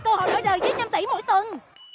cơ hội đổi đời với năm tỷ mỗi tuần